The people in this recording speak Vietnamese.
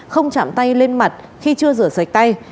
không chạm tay lên mặt khi chưa rửa sạch tay